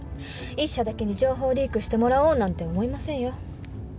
一社だけに情報をリークしてもらおうなんて思いませんよ。